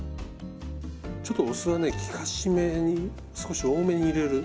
ちょっとお酢はね効かしめに少し多めに入れる。